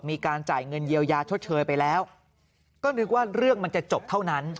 มีการจ่ายเงินเยียวยาชดเชยไปแล้วก็นึกว่าเรื่องมันจะจบเท่านั้น